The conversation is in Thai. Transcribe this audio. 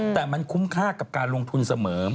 แต่มันคุ้มค่ากับการลงทุนเสมอ